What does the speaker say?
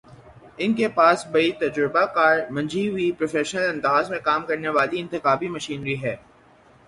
ان کے پاس بڑی تجربہ کار، منجھی ہوئی، پروفیشنل انداز میں کام کرنے والی انتخابی مشینری ہے۔